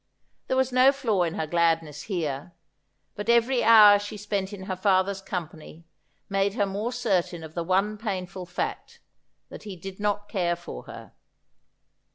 There was no flaw in her gladness here. But every hour she spent in her father's company made her more certain of the one painful fact that he did not care for her.